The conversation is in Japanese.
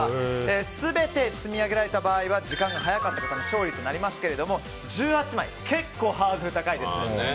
全て積み上げられた場合は時間が早かった方の勝利となりますが１８枚、結構ハードル高いです。